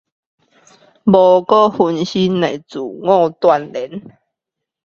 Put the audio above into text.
不再分心的自我鍛鍊